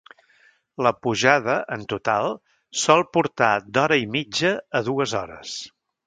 La pujada en total sol portar d'hora i mitja a dues hores.